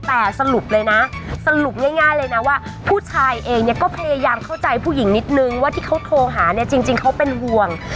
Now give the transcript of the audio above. แต่สรุปเลยนะสรุปง่ายเลยนะว่าผู้ชายเองเนี่ยก็พยายามเข้าใจผู้หญิงนิดนึงว่าที่เขาโทรหาเนี่ยจริงเขาเป็นห่วง